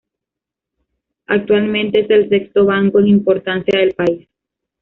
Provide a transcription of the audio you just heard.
Actualmente, es el sexto Banco en importancia del país.